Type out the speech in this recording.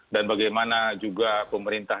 dan bagaimana juga pemerintah